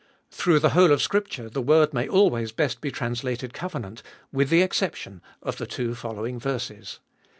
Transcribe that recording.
Through the whole of Scripture the word may always best be translated "covenant," with the exception of the two following verses.